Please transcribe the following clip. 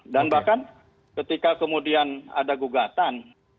dan bahkan ketika kemudian ada gugatan